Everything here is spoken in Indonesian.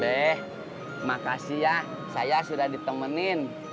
deh makasih ya saya sudah ditemenin